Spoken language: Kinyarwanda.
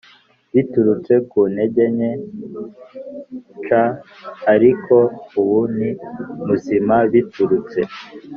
Biturutse ku ntege nke c ariko ubu ni muzima biturutse